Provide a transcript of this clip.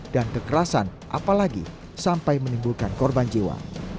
dan kekerasan apalagi sampai menimbulkan korban jiwa